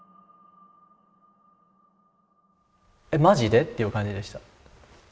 マジでっていう感じでした。